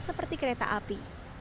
seperti kereta api